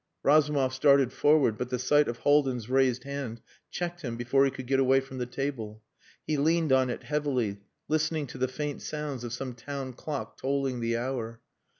Razumov started forward, but the sight of Haldin's raised hand checked him before he could get away from the table. He leaned on it heavily, listening to the faint sounds of some town clock tolling the hour.